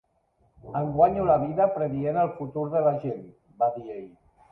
"Em guanyo la vida predient el futur de la gent" va dir ell.